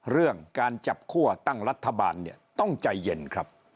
เรื่องการจับคั่วตั้งรัฐบาลเนี่ยต้องใจเย็นครับ